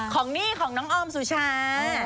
หนี้ของน้องออมสุชา